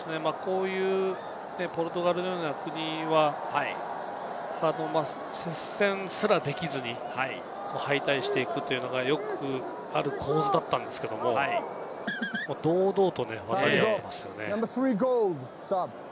ポルトガルのような国は接戦すらできずに敗退していくというのがよくある構図だったんですけれども、堂々と渡り合えてますよね。